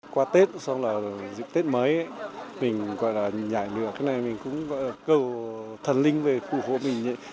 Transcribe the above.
qua tết xong là dựng tết mới mình gọi là nhảy lửa cái này mình cũng gọi là cầu thần linh về phù hộ mình